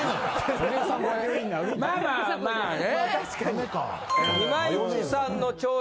まあまあまあね。